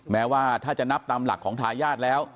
แม้ว่าถ้าจะนับตามหลักของทายาทแล้ว